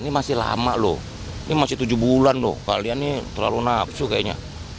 ini masih lama loh ini masih tujuh bulan loh kalian ini terlalu nafsu kayaknya